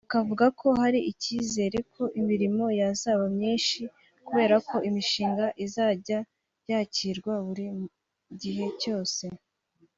Akavuga ko hari ikizere ko imirimo yazaba myinshi kubera ko imishinga izajya yakirwa buri gihe cyose